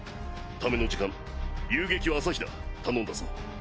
ための時間遊撃は朝日奈頼んだぞ。